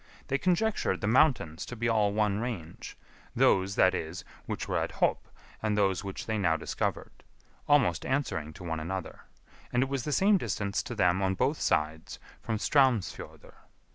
They conjectured the mountains to be all one range; those, that is, which were at Hop, and those which they now discovered; almost answering to one another; and it was the same distance to them on both sides from Straumsfjordr.